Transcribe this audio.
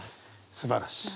すばらしい。